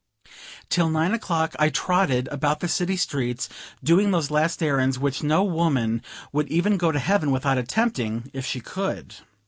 Till nine o'clock I trotted about the city streets, doing those last errands which no woman would even go to heaven without attempting, if she could.